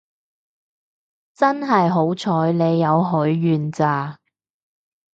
真係好彩你有許願咋